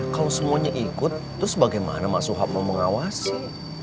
kalau semuanya ikut terus bagaimana mas suhab mau mengawasi